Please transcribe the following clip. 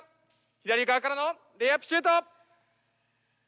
左側からのレイアップシュート！